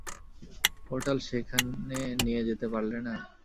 Portal সেখানে নিয়ে যেতে পারলে না?